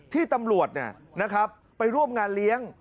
ที่ตำรวจไปร่วมงานเลี้ยง